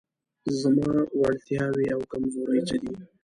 زما وړتیاوې او کمزورۍ څه دي؟